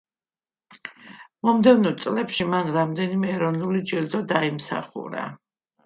მომდევნო წლებში მან რამდენიმე ეროვნული ჯილდო დაიმსახურა.